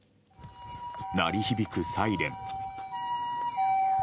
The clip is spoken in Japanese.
鳴り響くサイレン。